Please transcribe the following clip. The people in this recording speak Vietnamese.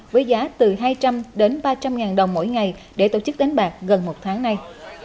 với giá từ hai trăm linh đến ba trăm linh ngàn đồng mỗi ngày để tổ chức đánh bạc gần một tháng nay